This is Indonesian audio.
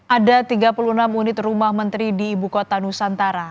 ada tiga puluh enam unit rumah menteri di ibu kota nusantara